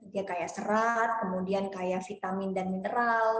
dia kaya serat kemudian kaya vitamin dan mineral